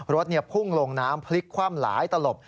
รถพุ่งลงน้ำพลิกคว่ำหลายตลบ